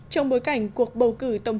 trong bối cảnh cuộc bầu cử thắng